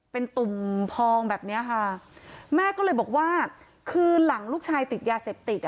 เป็นตุ่มพองแบบเนี้ยค่ะแม่ก็เลยบอกว่าคือหลังลูกชายติดยาเสพติดอ่ะ